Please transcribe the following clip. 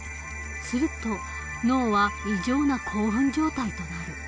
すると脳は異常な興奮状態となる。